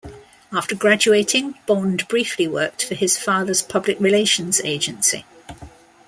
After graduating, Bond briefly worked for his father's public relations agency.